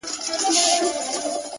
دا رومانتيك احساس دي خوږ دی گراني”